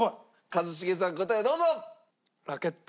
一茂さん答えをどうぞ！